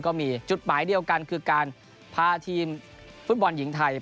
ก็มีจุดหมายเดียวกันคือการพาทีมฟุตบอลหญิงไทย